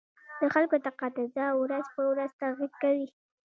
د خلکو تقاتضا ورځ په ورځ تغير کوي